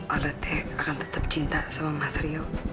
alda teh akan tetap cinta sama mas ryo